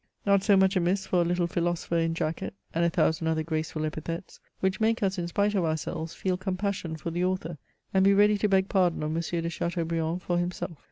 " Not so much amiss for a little philosopher in jacket," and a thousand other graceful epithets, which make us, in spite of ourselves, feel compassion for the author, and be ready to beg pardon of M. de Chateaubriand for himself.